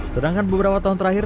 sedangkan beberapa tahun terakhir